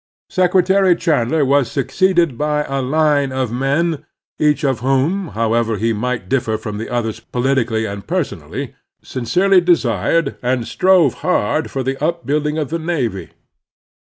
Secretary Chandler was succeeded by a line of men, each of whom, however he might differ from the others politically and personally, sincerely desired and strove hard for the upbuilding of the navy.